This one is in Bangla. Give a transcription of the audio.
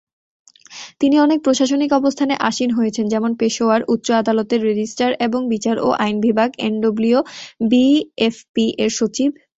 তিনি অনেক প্রশাসনিক অবস্থানে আসীন হয়েছেন, যেমন: পেশোয়ার উচ্চ আদালতের রেজিস্ট্রার এবং বিচার ও আইন বিভাগ, এনডব্লিউএফপি-এর সচিব।